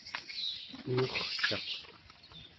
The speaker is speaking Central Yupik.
uurcaq